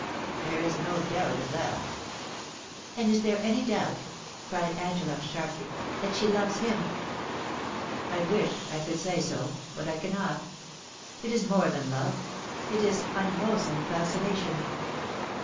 There is no doubt of that' *And is there any doubt,' cried Angela, sharply, * that she loves him ?*' I wish I could say so, but I cannot It is more than love — it is unwholesome fascination.'